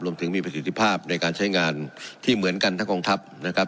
ถึงมีประสิทธิภาพในการใช้งานที่เหมือนกันทั้งกองทัพนะครับ